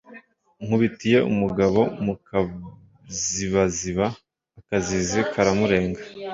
Nkubitiye umugabo mu kazibaziba akazizi karamurenga